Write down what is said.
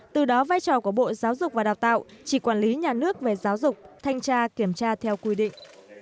từ đó vai trò của bộ giáo dục và đào tạo chỉ quản lý nhà nước về giáo dục thanh tra kiểm tra theo quy định